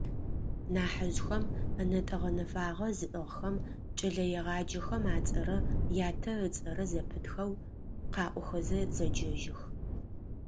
Нахьыжъхэм, ӏэнэтӏэ гъэнэфагъэ зыӏыгъхэм, кӏэлэегъаджэхэм ацӏэрэ ятэ ыцӏэрэ зэпытхэу къаӏохэзэ зэджэжьых.